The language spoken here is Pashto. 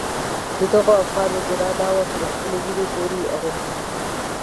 د دغو افغانانو ګناه دا وه چې د خپلې وینې زور یې غوښت.